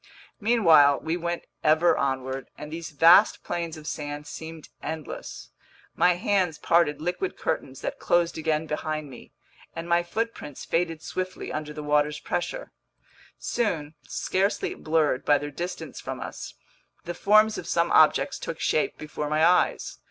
Meanwhile we went ever onward, and these vast plains of sand seemed endless. My hands parted liquid curtains that closed again behind me, and my footprints faded swiftly under the water's pressure. Soon, scarcely blurred by their distance from us, the forms of some objects took shape before my eyes.